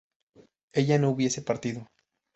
ella no hubiese partido